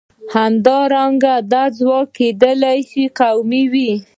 همدارنګه دا ځواک کېدای شي قوم وي.